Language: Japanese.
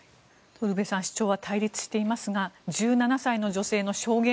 ウルヴェさん主張は対立していますが１７歳の女性の証言